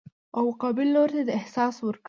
او مقابل لوري ته دا احساس ورکړي